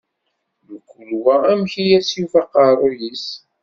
Mkul wa amek I as-yufa aqeṛṛu-s.